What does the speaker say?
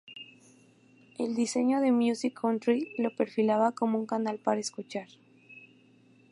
El diseño de Music Country lo perfilaba como un canal para escuchar.